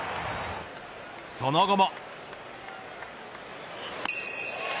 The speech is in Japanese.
その後も。